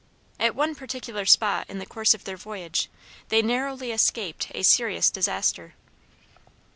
At one particular spot in the course of their voyage they narrowly escaped a serious disaster.